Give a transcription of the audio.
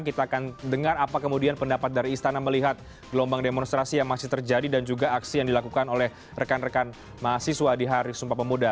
kita akan dengar apa kemudian pendapat dari istana melihat gelombang demonstrasi yang masih terjadi dan juga aksi yang dilakukan oleh rekan rekan mahasiswa di hari sumpah pemuda